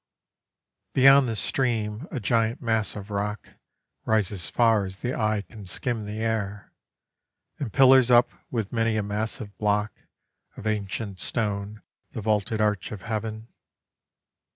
Beyond the stream a giant mass of rock Rises far as the eye can skim the air, And pillars up with many a massive block Of ancient stone the vaulted arch of heaven.